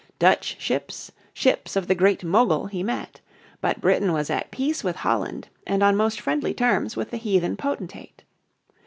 Dutch ships, ships of the Great Mogul he met. But Britain was at peace with Holland and on most friendly terms with the heathen potentate.